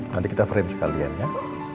nanti kita frame sekalian ya